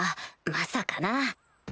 まさかな